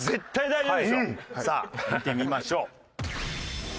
さあ見てみましょう。